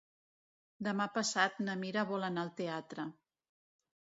Demà passat na Mira vol anar al teatre.